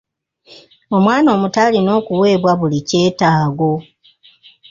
Omwana omuto alina okuweebwa buli kyetaago.